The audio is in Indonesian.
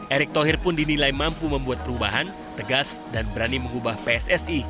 erick thohir pun dinilai mampu membuat perubahan tegas dan berani mengubah pssi